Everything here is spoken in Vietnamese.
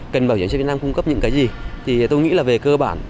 cần bảo hiểm xã hội việt nam cung cấp những cái gì thì tôi nghĩ là về cơ bản